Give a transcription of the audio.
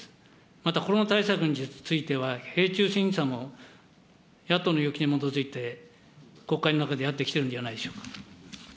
またコロナ対策については、閉会中審査も野党の要求に基づいて、国会の中でやってきているんではないでしょうか。